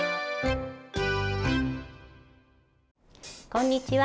こんにちは。